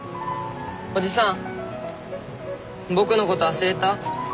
おじさん僕のこと忘れた？